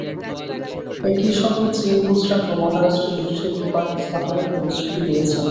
একই সঙ্গে চীন গুজরাট ও মহারাষ্ট্রে দুটি শিল্পপার্ক স্থাপনের প্রতিশ্রুতি দিয়েছে।